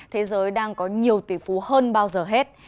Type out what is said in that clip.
thế giới đang có nhiều tỷ phú hơn bao giờ hết